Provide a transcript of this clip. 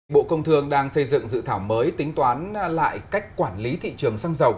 bộ công thương đang xây dựng dự thảo mới tính toán lại cách quản lý thị trường xăng dầu